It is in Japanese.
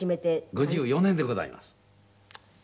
５４年でございます。